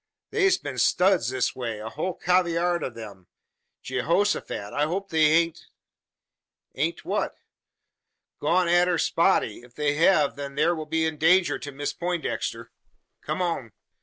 Thur's been studs this way a hul cavayurd o' them. Geehosofat! I hope they hain't " "Haven't what?" "Gone arter Spotty. If they hev, then thur will be danger to Miss Peintdexter. Come on!"